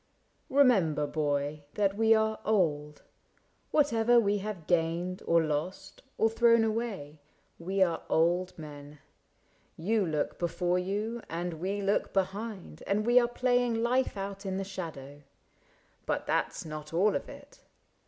Remember, boy. That we are old. Whatever we have gained. Or lost, or thrown away, we are old men. You look before you and we look behind. And we are playing life out in the shadow — But that 's not all of it.